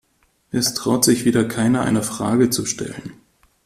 Es traut sich wieder keiner, eine Frage zu stellen.